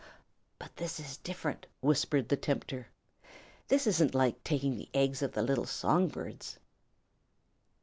"But this is different," whispered the tempter. "This isn't like taking the eggs of the little song birds."